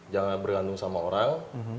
jangan bergantung sama orang